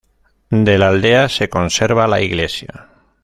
De la aldea se conserva la Iglesia.